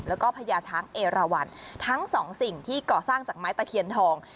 แล้วก็พญาช้างเอราวันทั้งสองสิ่งที่ก่อสร้างจากไม้ตะเคียนทอง